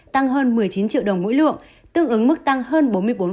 tăng hơn một mươi chín triệu đồng mỗi lượng tương ứng mức tăng hơn bốn mươi bốn